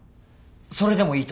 それでもいいと？